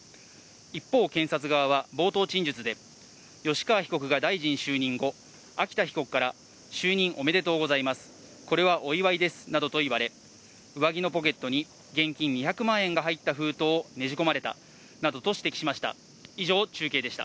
一方、検察側は冒頭陳述で、吉川被告が大臣就任後、秋田被告から、就任おめでとうございます、これはお祝いですなどと言われ、上着のポケットに現金２００万円が入った封筒をねじ込まれたなどと指摘しました。